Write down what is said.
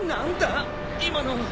今の。